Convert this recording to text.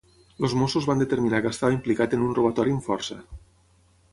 Els mossos van determinar que estava implicat en un robatori amb força.